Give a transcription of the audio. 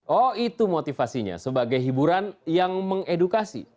oh itu motivasinya sebagai hiburan yang mengedukasi